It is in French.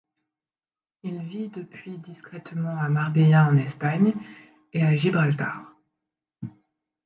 Il vit depuis discrètement à Marbella en Espagne et à Gibraltar.